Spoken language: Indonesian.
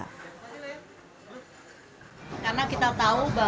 karena kita tahu bahwa banyak masyarakat yang masih belum berbank